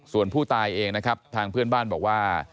ส่วนผู้ตายเองนะครับทางเพื่อนบ้านบอกว่า